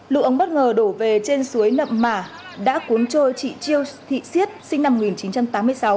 lũ ống bất ngờ đổ về trên suối nậm mả đã cuốn trôi chị chiêu thị siết sinh năm một nghìn chín trăm tám mươi sáu